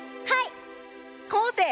はい！